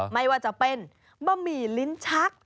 ไม่ว่าจะเป็นบะหมี่ลิ้นชัก